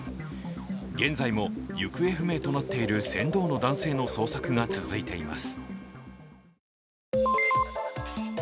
現在も行方不明となっている船頭の男性の捜索が続いています。